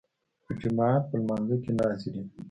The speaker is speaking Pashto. په جماعت په لمانځه کې نه حاضرېدی.